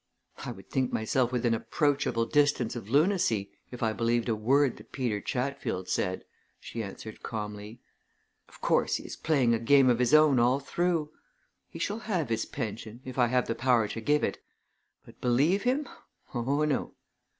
"I would think myself within approachable distance of lunacy if I believed a word that Peter Chatfield said," she answered calmly. "Of course, he is playing a game of his own all through. He shall have his pension if I have the power to give it but believe him oh, no!"